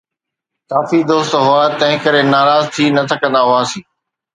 ڪافي دوست هئا، تنهن ڪري ناراض ٿي نه ٿڪندا هئاسين